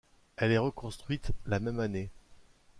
Elle est reconstruite la même année.